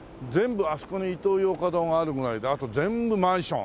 あそこにイトーヨーカドーがあるぐらいであと全部マンション。